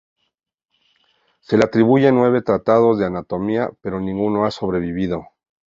Se le atribuyen nueve tratados de anatomía, pero ninguno ha sobrevivido.